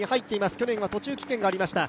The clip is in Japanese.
去年は途中棄権がありました。